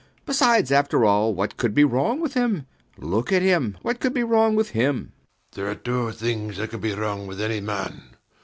Besides, after all, what could be wrong with him? Look at him. What could be wrong with him? SIR PATRICK. There are two things that can be wrong with any man.